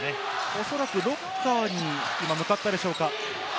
おそらくロッカーに向かったでしょうか。